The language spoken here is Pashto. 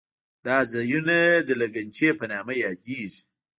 دا ځایونه د لګنچې په نامه یادېږي.